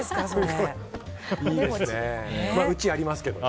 うち、ありますけどね。